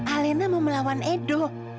alina mau melawan edo